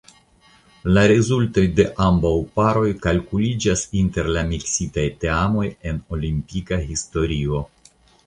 La rezultoj de ambaŭ paroj kalkuliĝas inter la miksitaj teamoj en olimpika historio.